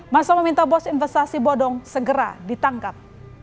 masa meminta bos investasi bodong segera ditangkap